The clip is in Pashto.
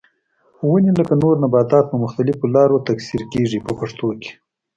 ونې لکه نور نباتات په مختلفو لارو تکثیر کېږي په پښتو کې.